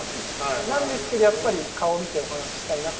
なんですけどやっぱり顔見てお話ししたいなっていう。